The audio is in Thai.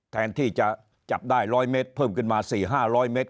แทนที่จะจับได้ร้อยเม็ดเพิ่มขึ้นมาสี่ห้าร้อยเม็ด